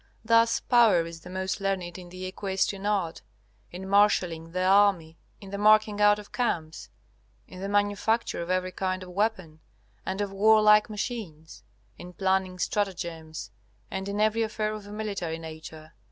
Thus Power is the most learned in the equestrian art, in marshalling the army, in the marking out of camps, in the manufacture of every kind of weapon and of warlike machines, in planning stratagems, and in every affair of a military nature.